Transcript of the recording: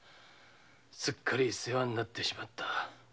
すっかり世話になってしまった。